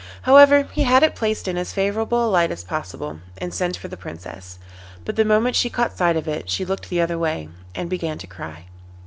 However, he had it placed in as favourable a light as possible, and sent for the Princess, but the moment she caught sight of it she looked the other way and began to cry.